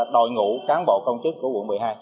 đội ngũ cán bộ công chức của quận một mươi hai